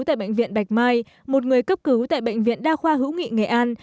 tại bệnh viện bạch mai một người cấp cứu tại bệnh viện đa khoa hữu nghị nghệ an